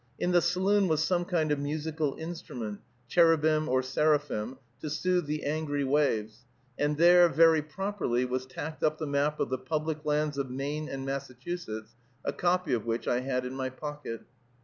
In the saloon was some kind of musical instrument cherubim or seraphim to soothe the angry waves; and there, very properly, was tacked up the map of the public lands of Maine and Massachusetts, a copy of which I had in my pocket.